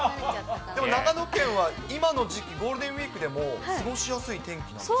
でも長野県は今の時期、ゴールデンウィークでも過ごしやすい天気なんですね。